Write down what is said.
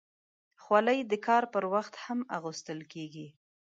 خولۍ د کار پر وخت هم اغوستل کېږي.